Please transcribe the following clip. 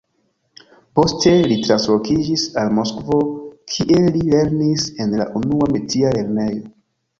Poste li translokiĝis al Moskvo, kie li lernis en la Unua Metia lernejo.